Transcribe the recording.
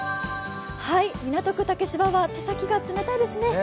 港区竹芝は手先が冷たいですね。